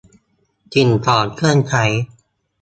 สิ่งของเครื่องใช้